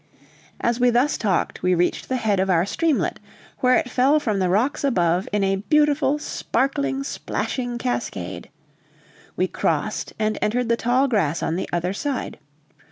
'" As we thus talked, we reached the head of our streamlet, where it fell from the rocks above in a beautiful, sparkling, splashing cascade. We crossed and entered the tall grass on the other side.